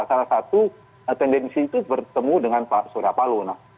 salah satu tendensi itu bertemu dengan pak suryapalo